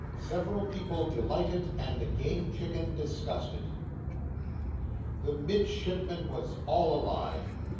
Several People delighted, and the Game Chicken disgusted The Midshipman was all alive.